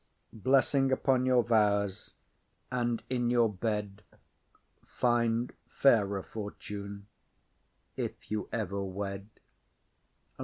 Blessing upon your vows, and in your bed Find fairer fortune, if you ever wed!